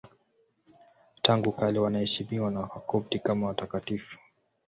Tangu kale wanaheshimiwa na Wakopti kama watakatifu.